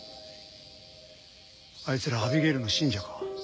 あいつらアビゲイルの信者か。